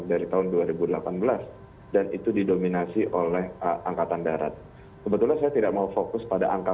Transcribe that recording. dari tahun dua ribu delapan belas dan itu didominasi oleh angkatan darat sebetulnya saya tidak mau fokus pada angka